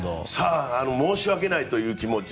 申し訳ないという気持ち。